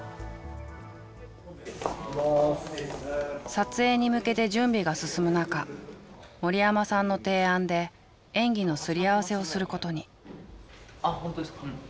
撮影に向けて準備が進む中森山さんの提案で演技のすり合わせをすることに。